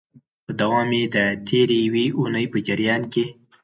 په دوام د تیري یوې اونۍ په جریان کي